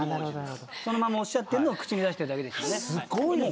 そのままおっしゃってるのを口に出してるだけですよね。